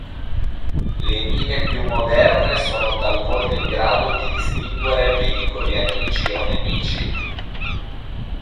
Le mine più moderne sono talvolta in grado di distinguere veicoli amici o nemici.